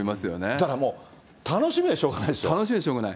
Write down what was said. だからもう、楽しみでしょうがない。